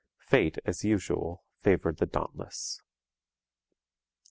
Fate, as usual, favoured the dauntless.